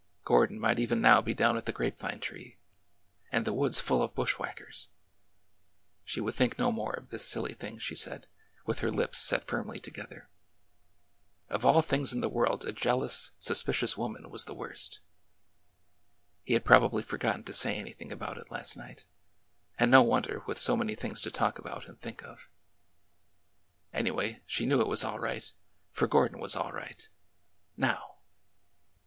Gordon might even now be down at the grape vine tree— and the woods full of bushwhackers ! She would think no more of this silly thing, she said, with her lips set firmly together. Of all things in the world a jealous, suspicious woman was the TRIFLES LIGHT AS AIR 223 worst ! He had probably forgotten to say anything about it last night, — and no wonder, with so many tilings to talk about and think of. Anyway, she knew it was all right, for Gordon was all right! Now!